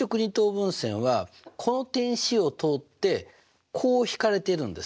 分線はこの点Ｃを通ってこう引かれているんですよ。